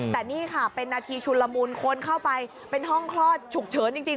แต่นี่ค่ะเป็นนาทีชุนละมุนคนเข้าไปเป็นห้องคลอดฉุกเฉินจริง